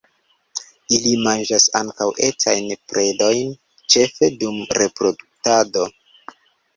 Ili manĝas ankaŭ etajn predojn, ĉefe dum reproduktado.